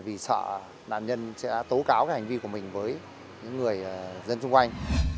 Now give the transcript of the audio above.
vì sợ nạn nhân sẽ tố cáo hành vi của mình với những người dân xung quanh